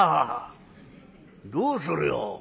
「どうするよ？